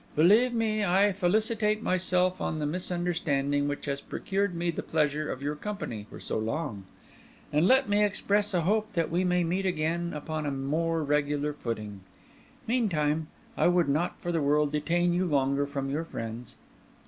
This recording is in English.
Believe me, I felicitate myself on the misunderstanding which has procured me the pleasure of your company for so long; and let me express a hope that we may meet again upon a more regular footing. Meantime, I would not for the world detain you longer from your friends.